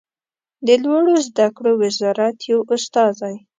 د لوړو زده کړو وزارت یو استازی